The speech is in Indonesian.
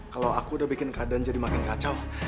kalau aku udah bikin keadaan jadi makin kacau